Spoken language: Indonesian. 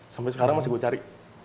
sampai sekarang masih gue cari